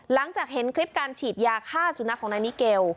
หลังจากเห็นคลิปการฉีดยาฆ่าสุนัขของนายมิเกล